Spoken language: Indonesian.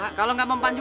gak apa apa merem